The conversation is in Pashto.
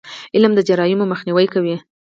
علم د جرایمو مخنیوی کوي.